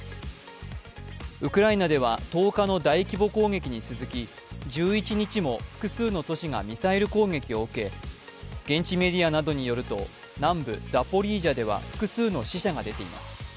ウクライナでは１０日の大規模攻撃に続き１１日も複数の都市がミサイル攻撃を受け、現地メディアなどによると、南部ザポリージャでは複数の死者が出ています。